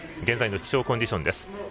現在の気象コンディションです。